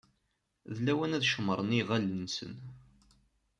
D lawan ad cemmṛen iɣallen-nsen.